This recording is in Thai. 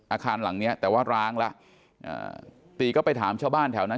อาคารหลังเนี้ยแต่ว่าร้างแล้วตีก็ไปถามชาวบ้านแถวนั้น